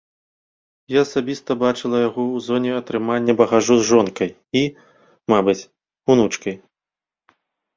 Я асабіста бачыла яго ў зоне атрымання багажу з жонкай і, мабыць, унучкай.